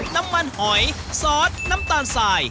น้ำมันหอยซอสน้ำตาลสาย